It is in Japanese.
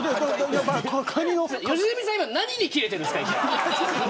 良純さん、今何に切れてるんですか。